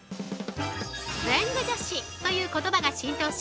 文具女子という言葉が浸透し